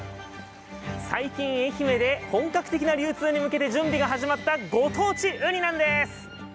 最近、愛媛で本格的な流通に向けて準備が始まったご当地ウニなんです。